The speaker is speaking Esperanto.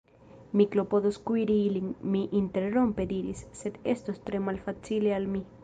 Mi klopodos kuiri ilin, mi interrompe diris, sed estos tre malfacile al mi.